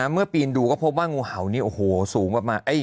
เมื่อปีนดูก็พบว่างูเห่านี่โอ้โหสูงประมาณ